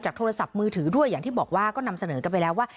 โทรศัพท์มือถือด้วยอย่างที่บอกว่าก็นำเสนอกันไปแล้วว่า